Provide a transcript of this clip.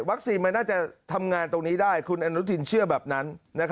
มันน่าจะทำงานตรงนี้ได้คุณอนุทินเชื่อแบบนั้น